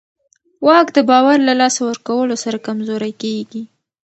واک د باور له لاسه ورکولو سره کمزوری کېږي.